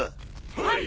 はい！